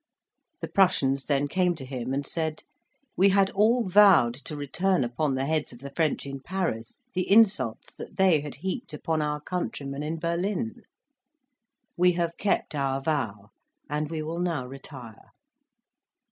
The Prussians then came to him and said, "We had all vowed to return upon the heads of the French in Paris the insults that they had heaped upon our countrymen in Berlin; we have kept our vow, and we will now retire."